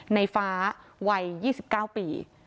ในฟ้าวัย๒๙ปี